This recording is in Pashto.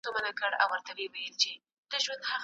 احمد پرون په کوڅې کي وګرځېدی.